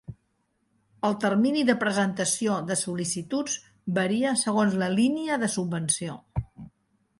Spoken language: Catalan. El termini de presentació de sol·licituds varia segons la línia de subvenció.